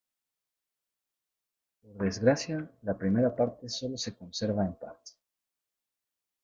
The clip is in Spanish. Por desgracia, la primera parte sólo se conserva en parte.